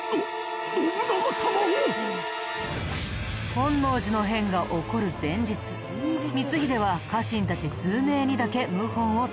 本能寺の変が起こる前日光秀は家臣たち数名にだけ謀反を伝えたみたい。